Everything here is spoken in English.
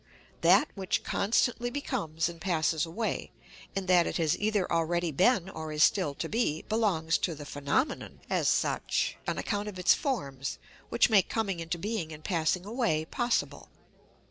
That which constantly becomes and passes away, in that it has either already been or is still to be, belongs to the phenomenon as such on account of its forms, which make coming into being and passing away possible.